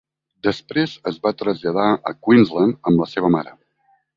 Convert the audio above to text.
Després es va traslladar a Queensland amb la seva mare.